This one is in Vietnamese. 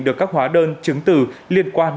được các hóa đơn chứng từ liên quan